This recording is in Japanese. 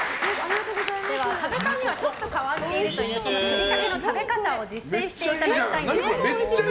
多部さんにはちょっと変わっているというふりかけの食べ方を実践していただきたいと思います。